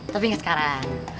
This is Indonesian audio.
tapi enggak sekarang